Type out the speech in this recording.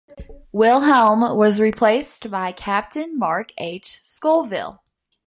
Wilhelm was replaced by Captain Mark H. Scovill.